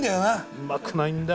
うまくないんだよ。